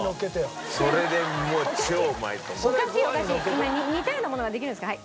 今似たようなものができるんですから。